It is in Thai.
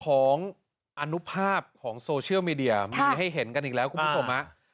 อนุภาพของโซเชียลมีเดียมีให้เห็นกันอีกแล้วคุณผู้ชมฮะ